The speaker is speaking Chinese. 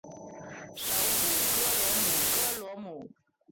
首府戈罗姆戈罗姆。